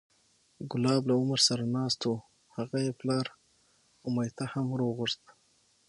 کلاب له عمر سره ناست و هغه یې پلار امیة هم وورغوښت،